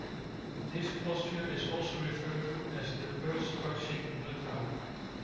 This posture is also referred to as the 'earth-touching' mudra.